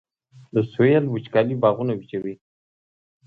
د سویل وچکالي باغونه وچوي